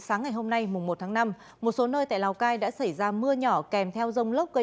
sáng ngày hôm nay mùng một tháng năm một số nơi tại lào cai đã xảy ra mưa nhỏ kèm theo rông lốc gây